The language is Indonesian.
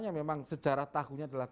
yang memang sejarah tahunya adalah